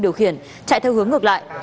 điều khiển chạy theo hướng ngược lại